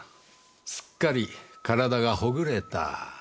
すっかり体がほぐれた。